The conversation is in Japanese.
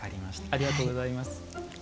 ありがとうございます。